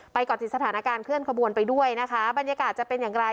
ก่อติดสถานการณ์เคลื่อนขบวนไปด้วยนะคะบรรยากาศจะเป็นอย่างไร